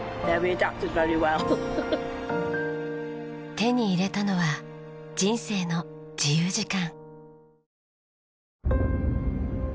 手に入れたのは人生の自由時間。